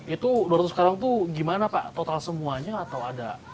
itu dua ratus sekarang itu gimana pak total semuanya atau ada